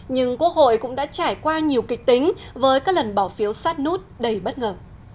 nhưng quốc hội cũng đã trải qua nhiều kịch tính với các lần bỏ phiếu sát nút đầy bất ngờ